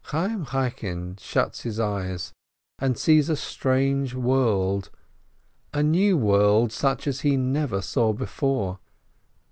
Chayyim Chaikin shuts his eyes, and sees a strange world, a new world, such as he never saw before.